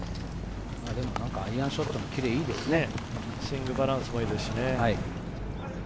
アイアンショットもキレスイングバランスもいいですしね。